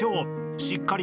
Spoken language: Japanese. しっかり］